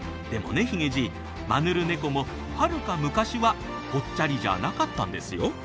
でもねヒゲじいマヌルネコもはるか昔はぽっちゃりじゃなかったんですよ。